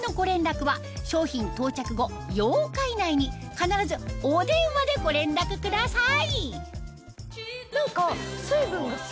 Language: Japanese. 必ずお電話でご連絡ください